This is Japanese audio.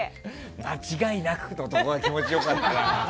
「間違いなく」のところが気持ち良かった。